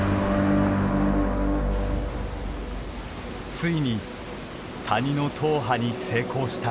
ついに谷の踏破に成功した。